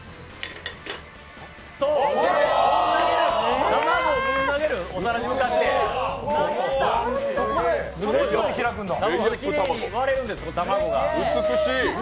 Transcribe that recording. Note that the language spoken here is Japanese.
そう、卵をぶん投げる、お皿に向かってきれいに割れるんです、卵が。